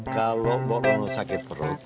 kalau mbok orono sakit perut